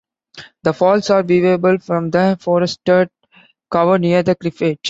The falls are viewable from the forested cover near the cliff edge.